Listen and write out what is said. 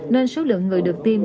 nên số lượng người được tiêm